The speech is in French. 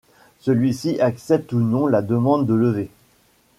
Celui-ci accepte ou non la demande de levée.